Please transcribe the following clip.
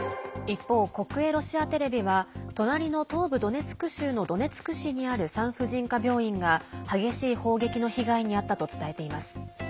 一方、国営ロシアテレビは隣の東部ドネツク州のドネツク市にある産婦人科病院が激しい砲撃の被害に遭ったと伝えています。